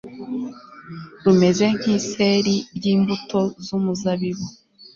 rumeze nk'iseri ry'imbuto z'umuzabibu